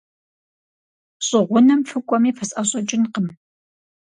ЩӀы гъунэм фыкӀуэми, фысӀэщӀэкӀынкъым.